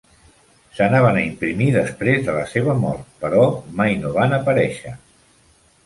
S'anaven a imprimir després de la seva mort, però mai no van aparèixer.